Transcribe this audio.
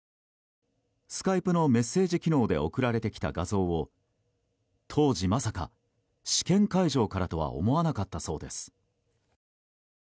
スカイプのメッセージ機能で送られてきた画像を当時、まさか試験会場からとは思わなかったそうです。